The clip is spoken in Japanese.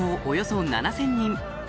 およそ７０００人